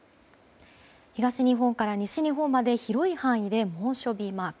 東日本から西日本まで広い範囲で猛暑日マーク。